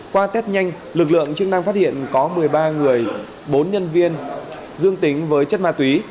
qua test nhanh lực lượng chức năng phát hiện có một mươi ba người bốn nhân viên dương tính với chất ma túy